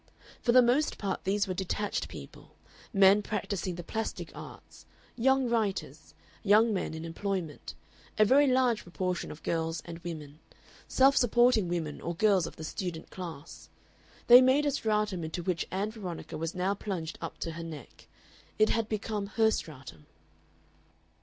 For the most part these were detached people: men practising the plastic arts, young writers, young men in employment, a very large proportion of girls and women self supporting women or girls of the student class. They made a stratum into which Ann Veronica was now plunged up to her neck; it had become her stratum.